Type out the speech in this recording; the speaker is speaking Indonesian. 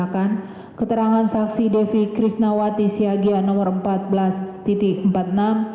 kalian bisa dik simpan diiersama ain fiosa hashtag servicekat tenha